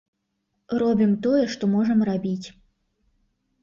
Робім тое, што можам рабіць.